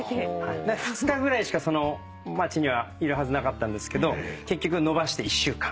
２日ぐらいしかその町にはいるはずなかったんですけど結局延ばして１週間。